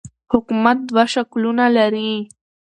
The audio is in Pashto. حکومت دوه شکلونه لري.